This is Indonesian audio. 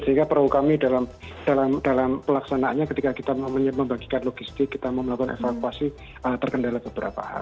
sehingga perlu kami dalam pelaksanaannya ketika kita mau membagikan logistik kita mau melakukan evakuasi terkendala beberapa hal